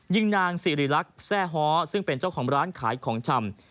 ยิงนางสิริรักษ์แทร่ฮ้อซึ่งเป็นเจ้าของร้านขายของชำ